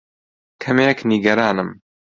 کەمێک نیگەرانم.